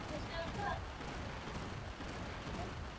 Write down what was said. Rais alitia saini mkataba wa kujiunga